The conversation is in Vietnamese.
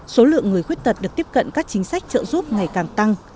số lượng người khuyết tật được tiếp cận các chính sách trợ giúp ngày càng tăng